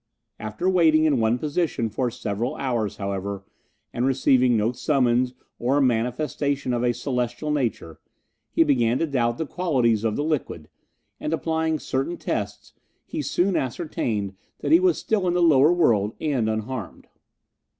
After waiting in one position for several hours, however, and receiving no summons or manifestation of a celestial nature, he began to doubt the qualities of the liquid, and applying certain tests, he soon ascertained that he was still in the lower world and unharmed.